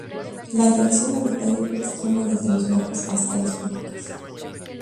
La atención al detalle fue extrema desde los marcos hasta las pelucas.